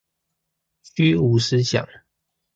虛無思想